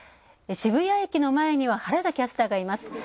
渋谷駅の前には原田キャスターがいます。